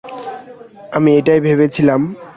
আমি এটাই ভেবেছিলাম।